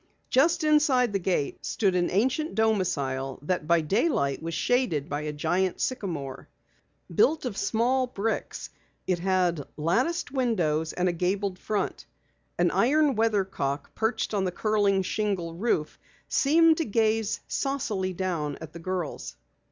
Just inside the gate stood an ancient domicile that by daylight was shaded by a giant sycamore. Built of small bricks, it had latticed windows, and a gabled front. An iron weathercock perched on the curling shingle roof seemed to gaze saucily down at the girls.